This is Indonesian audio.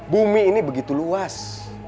bumi ini begitu luas